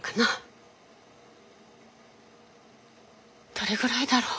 どれぐらいだろう